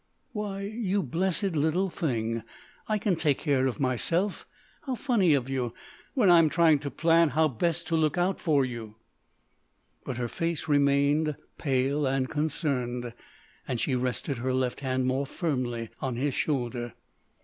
"Why, you blessed little thing, I can take care of myself. How funny of you, when I am trying to plan how best to look out for you!" But her face remained pale and concerned, and she rested her left hand more firmly on his shoulder.